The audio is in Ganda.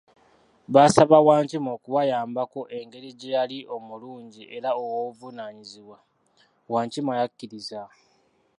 Basaba Wankima okubayambako engeri gye yali omulungi era ow'obuvunanyizibwa, Wankima yakiriza.